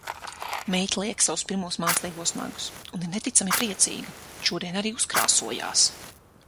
Meita liek savus pirmos mākslīgos nagus. Un ir neticami priecīga. Šodien arī uzkrāsojās.